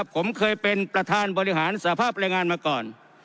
ผมเคยเป็นประธานบริหารสภาพแรงงานมาก่อน